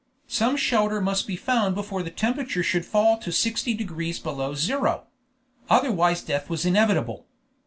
Some shelter must be found before the temperature should fall to 60 degrees below zero. Otherwise death was inevitable.